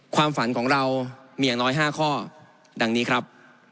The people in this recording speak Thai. ความฝันของเรามีอย่างน้อย๕ข้อดังนี้ครับ